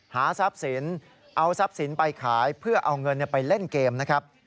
หาทรัพย์สินเอาทรัพย์สินไปขายเพื่อเอาเงินไปเล่นเกมนะครับ